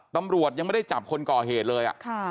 ตำรวจยังไม่ได้จับคนก่อเหตุเลย